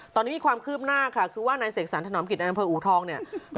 ตอนนี้มีความคืบหน้าค่ะคือว่านายเสกสรรถนอมกิจในอำเภออูทองเนี่ย